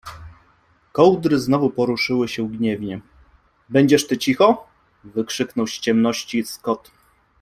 Kołdry znowu poruszyły się gniewnie. - Będziesz ty cicho! - wykrzyknął z ciemności Scott. -